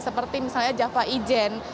seperti misalnya java ijen